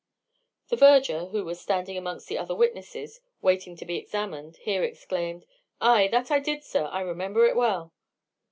The verger, who was standing amongst the other witnesses, waiting to be examined, here exclaimed,— "Ay, that I did, sir; I remember it well."